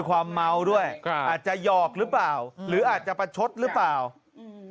ด้วยความเม้าด้วยก็อาจจะหยอกรึเปล่าหรืออาจจะประชดรึเปล่าอืม